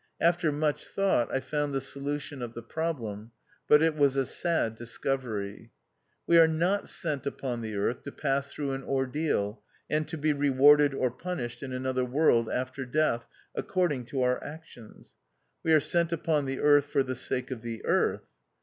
After much thought, I found the solution of the problem; but it was a sad discovery. We are not sent upon the earth to pass through an ordeal, and to be rewarded or punished in another world, after death, ac cording to our actions. We are sent upon the earth for the sake of the earth.